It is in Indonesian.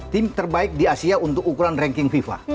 tim terbaik di asia untuk ukuran ranking fifa